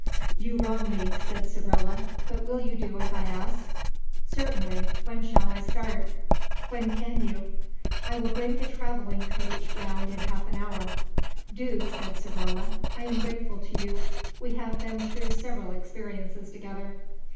"You wrong me," said Savrola; "but will you do as I ask?" "Certainly, when shall I start?" "When can you?" "I will bring the travelling coach round in half an hour." "Do," said Savrola. "I am grateful to you. We have been through several experiences together."